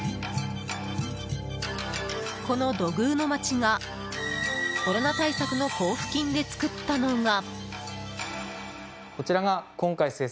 この土偶の町がコロナ対策の交付金で作ったのが。